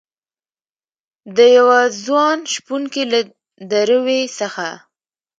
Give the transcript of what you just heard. دیوه ځوان شپونکي له دروي څخه